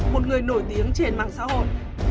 một người nổi tiếng trên mạng xã hội